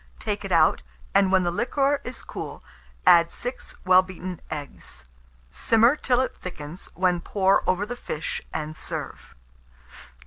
Take it out, and when the liquor is cool, add 6 well beaten eggs; simmer till it thickens, when pour over the fish, and serve.